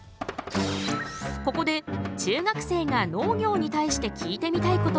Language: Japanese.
ここで中学生が農業に対して聞いてみたいことを質問！